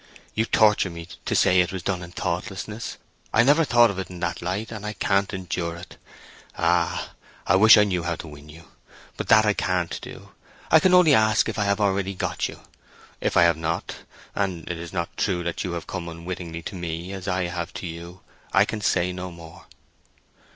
You torture me to say it was done in thoughtlessness—I never thought of it in that light, and I can't endure it. Ah! I wish I knew how to win you! but that I can't do—I can only ask if I have already got you. If I have not, and it is not true that you have come unwittingly to me as I have to you, I can say no more."